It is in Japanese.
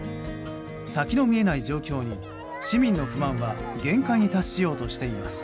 先の見えない状況に市民の不満は限界に達しようとしています。